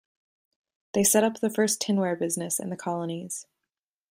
They set up the first tinware business in the colonies.